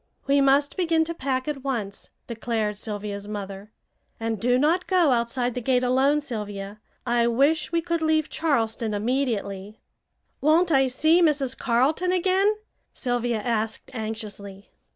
"We must begin to pack at once," declared Sylvia's mother, "and do not go outside the gate alone, Sylvia. I wish we could leave Charleston immediately." "Won't I see Mrs. Carleton again?" Sylvia asked anxiously.